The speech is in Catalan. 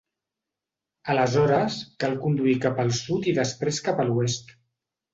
Aleshores cal conduir cap al sud i després cap a l'oest.